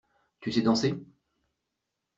Tu sais danser?